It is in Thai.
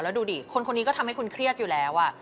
แล้วดูดิคนคนนี้ก็ทำให้คุณเครียดอยู่แล้ว